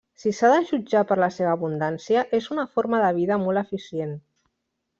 Si s'ha de jutjar per la seva abundància, és una forma de vida molt eficient.